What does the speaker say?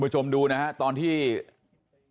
นี่เห็นไหม